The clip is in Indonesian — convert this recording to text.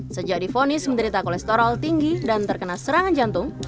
sejak difonis menderita kolesterol tinggi dan terkena serangan jantung